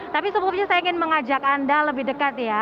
tapi sebelumnya saya ingin mengajak anda lebih dekat ya